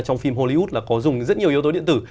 trong phim hollywood là có dùng rất nhiều yếu tố điện tử